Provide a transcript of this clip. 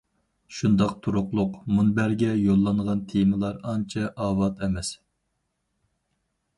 شۇنداق تۇرۇقلۇق مۇنبەرگە يوللانغان تېمىلار ئانچە ئاۋات ئەمەس.